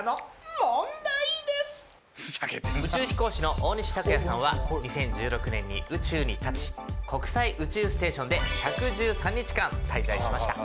宇宙飛行士の大西卓哉さんは２０１６年に宇宙にたち国際宇宙ステーションで１１３日間滞在しました。